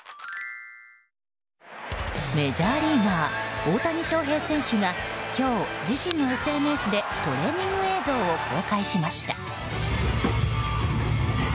メジャーリーガー大谷翔平選手が今日、自身のＳＮＳでトレーニング映像を公開しました。